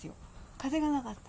風がなかった？